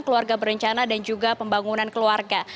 keluarga berencana dan juga pembangunan keluarga